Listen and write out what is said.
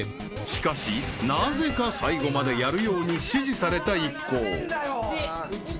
［しかしなぜか最後までやるように指示された一行］